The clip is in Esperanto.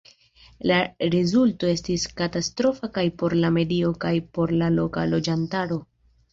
La rezulto estis katastrofa kaj por la medio kaj por la loka loĝantaro.